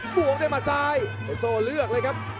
บวงได้มาซ้ายเอ็นโซเลือกเลยครับ